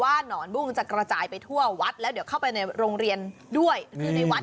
หนอนบุ้งจะกระจายไปทั่ววัดแล้วเดี๋ยวเข้าไปในโรงเรียนด้วยคือในวัด